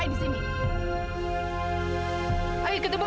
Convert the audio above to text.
saya juga punya layanan yang kurang baik